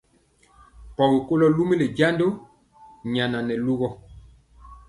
Pɔgi kɔlo lumili jendɔ nyana nɛ lugɔ.